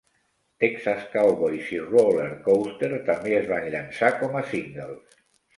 Texas Cowboys i Rollercoaster també es van llançar com a singles.